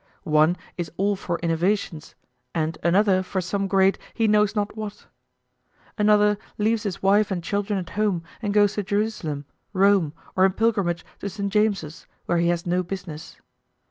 One is all for innovations and another for some great he knows not what. Another leaves his wife and children at home and goes to Jerusalem, Rome, or in pilgrimage to St. James's where he has no business.